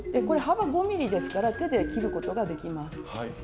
これ幅５ｍｍですから手で切ることができます。